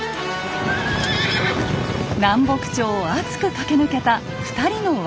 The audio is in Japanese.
南北朝を熱く駆け抜けた２人の若君。